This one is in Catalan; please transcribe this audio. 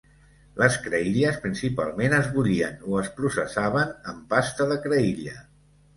Les creïlles principalment es bullien o es processaven en pasta de creïlla.